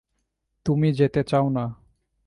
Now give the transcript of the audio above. তুমি যেতে চাও না।